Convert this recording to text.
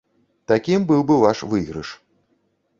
Такім бы быў ваш выйгрыш.